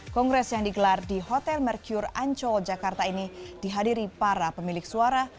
kongres yang digelar di hotel merkure ancol jakarta ini dihadiri para pemilik suara